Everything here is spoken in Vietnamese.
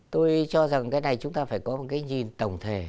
tôi cho rằng cái này chúng ta phải có một cái nhìn tổng thể